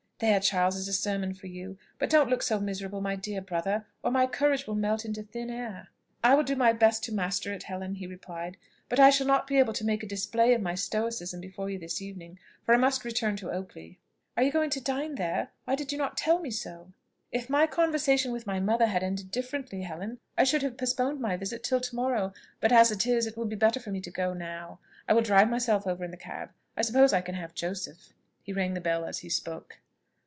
There, Charles, is a sermon for you. But don't look so miserable, my dear brother; or my courage will melt into thin air." "I will do my best to master it, Helen," he replied; "but I shall not be able to make a display of my stoicism before you this evening, for I must return to Oakley." "Are you going to dine there? Why did you not tell me so?" "If my conversation with my mother had ended differently, Helen, I should have postponed my visit till to morrow; but as it is, it will be better for me to go now. I will drive myself over in the cab. I suppose I can have Joseph?" He rang the bell as he spoke.